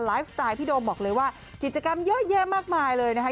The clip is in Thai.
สไตล์พี่โดมบอกเลยว่ากิจกรรมเยอะแยะมากมายเลยนะคะ